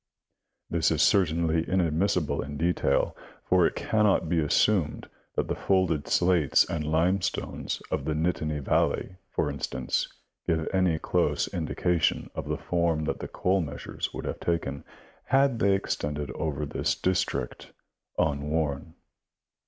This is certainly inadmissible in detail, for it can not be assumed that the folded slates and limestones of the Nittany vailey, for instance, give any close indication of the form that the coal measures would have taken, had they extended over this district, unworn.